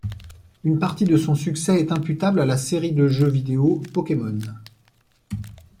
Une partie de son succès est imputable à la série de jeux vidéo Pokémon.